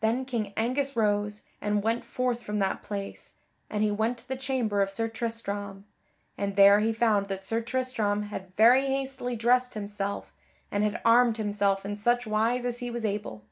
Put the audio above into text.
Then King Angus rose, and went forth from that place, and he went to the chamber of Sir Tristram. And there he found that Sir Tristram had very hastily dressed himself and had armed himself in such wise as he was able.